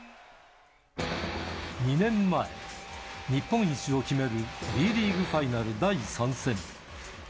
２年前、日本一を決めるＢリーグファイナル第３戦。